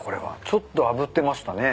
ちょっとあぶってましたね。